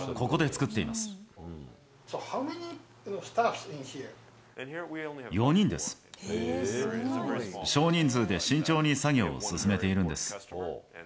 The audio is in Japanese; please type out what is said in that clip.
少人数で慎重に作業を進めているんです。